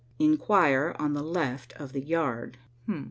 "Inquire on the left of the yard."